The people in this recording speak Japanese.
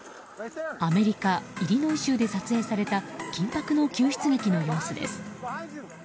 アメリカ・イリノイ州で撮影された緊迫の救出劇の様子です。